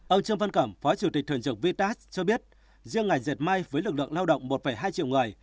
ông trâm văn cẩm phó chủ tịch thượng trưởng vtac cho biết riêng ngành diệt may với lực lượng lao động một hai triệu người